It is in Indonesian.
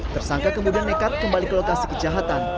tersangka kemudian nekat kembali ke lokasi kejahatan